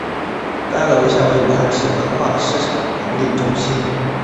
该楼现为武汉市文化市场管理中心。